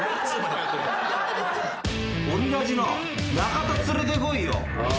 オリラジの中田連れてこいよ。